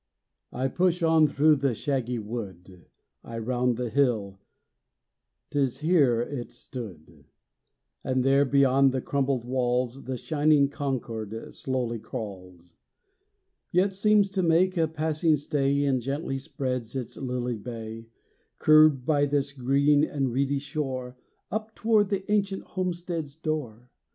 I push on through the shaggy wood, I round the hill: 't is here it stood; And there, beyond the crumbled walls, The shining Concord slowly crawls, Yet seems to make a passing stay, And gently spreads its lilied bay, Curbed by this green and reedy shore, Up toward the ancient homestead's door.